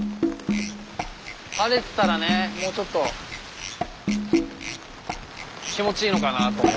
晴れてたらねもうちょっと気持ちいいのかなとも思うけど。